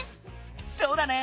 そうだね！